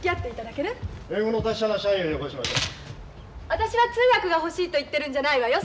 私は通訳が欲しいと言ってるんじゃないわよ。